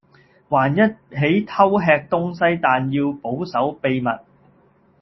還一起偷吃東西但要保守秘密